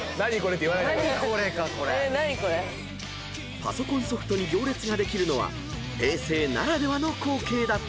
［パソコンソフトに行列ができるのは平成ならではの光景だった］